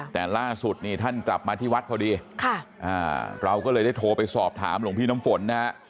แต่ล่าสุดนี่ท่านกลับมาที่วัดพอดีเราก็เลยได้โทรไปสอบถามหลวงพี่น้ำฝนนะฮะ